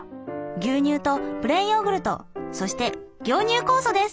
牛乳とプレーンヨーグルトそして凝乳酵素です。